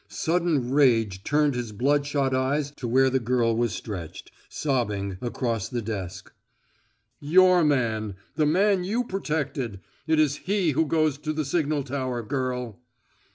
Sudden rage turned his bloodshot eyes to where the girl was stretched, sobbing, across the desk. "Your man the man you protected it is he who goes to the signal tower, girl!"